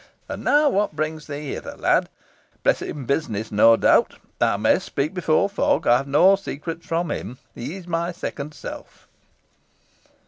And now what brings thee hither, lad? Pressing business, no doubt. Thou mayest speak before Fogg. I have no secrets from him. He is my second self."